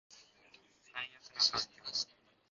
最悪な環境